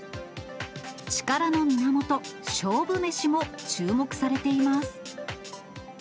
力の源、勝負メシも注目されています。